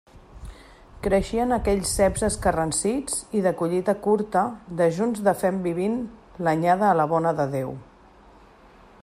Creixien aquells ceps escarransits i de collita curta dejuns de fem vivint l'anyada a la bona de Déu.